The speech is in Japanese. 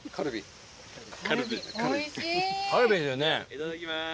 いただきます。